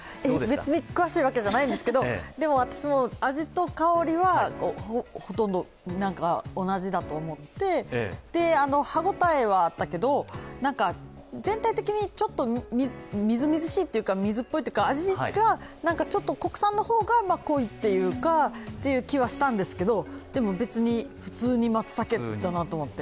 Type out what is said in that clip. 別に詳しいわけじゃないんですけれども私も味と香りはほとんど同じだと思って、歯応えはあったけど、全体的にちょっと水っぽいというか、味がちょっと国産の方が濃い気はしたんですけど、でも別に、普通の松茸だなと思って。